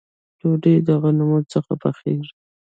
ډوډۍ د غنمو څخه پخیږي